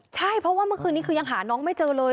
ใช่เพราะว่าเมื่อคืนนี้คือยังหาน้องไม่เจอเลย